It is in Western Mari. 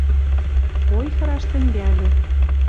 Ойхыраш тӹнгӓльӹ: